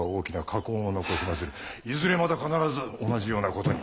いずれまた必ず同じようなことに。